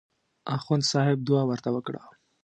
اخندصاحب دعا ورته وکړه.